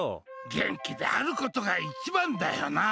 元気であることが一番だよな。